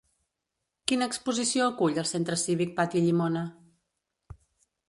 Quina exposició acull el Centre Cívic Patí Llimona?